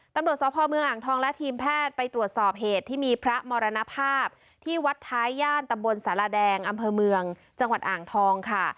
ตำรวจสพเมืองอ่างทองและทีมแพทย์ไปตรวจสอบเหตุที่มีพระมรณภาพที่วัดท้ายย่านตำบลสารแดงอำเภอเมืองจังหวัดอ่างทองค่ะ